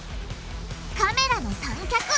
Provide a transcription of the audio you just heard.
カメラの三脚。